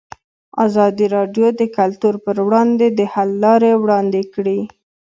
ازادي راډیو د کلتور پر وړاندې د حل لارې وړاندې کړي.